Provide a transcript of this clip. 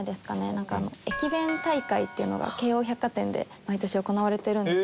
なんか駅弁大会っていうのが京王百貨店で毎年行われてるんですけれど。